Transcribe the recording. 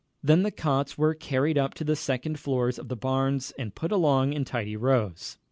Then the cots were carried up to the second floors of the barns and put along in tidy rows.